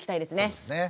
そうですね。